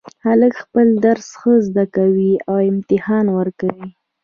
هلک خپل درس ښه زده کوي او امتحان ورکوي